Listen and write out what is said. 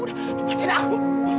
udah lepasin aku